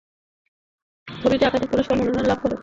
ছবিটি একাধিক পুরস্কারের মনোনয়ন লাভ করে।